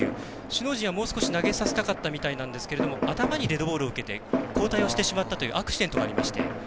首脳陣はもう少し投げさせたかったみたいなんですが頭にデッドボールを受けて交代をしてしまったというアクシデントがありました。